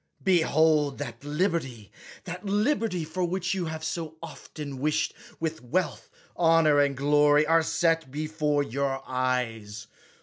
Behold that liberty, that liberty for which you have so often wished, with wealth, honor, and glory, are set before your eyes.